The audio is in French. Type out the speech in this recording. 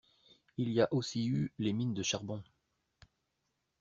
Il y a aussi eu les mines de charbon.